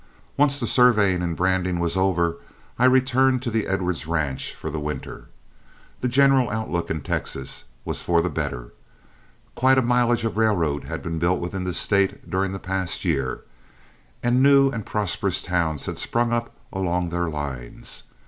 Once the surveying and branding was over, I returned to the Edwards ranch for the winter. The general outlook in Texas was for the better; quite a mileage of railroad had been built within the State during the past year, and new and prosperous towns had sprung up along their lines.